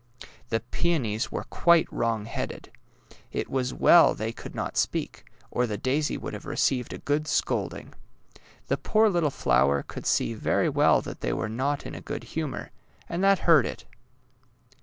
The peonies were quite wrong headed. It was well they could not speak, or the daisy would have received a good scolding. The poor little flower could see very well that they were not in a good humour, and that hurt it.